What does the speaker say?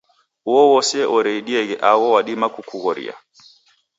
Uo ose oreidieghe agho wadima kukughoria.